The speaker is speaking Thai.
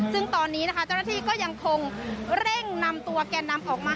ซึ่งตอนนี้นะคะเจ้าหน้าที่ก็ยังคงเร่งนำตัวแก่นำออกมา